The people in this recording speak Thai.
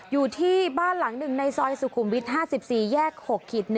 อยู่ที่บ้านหลังหนึ่งในซอยสุขุมวิท๕๔แยก๖๑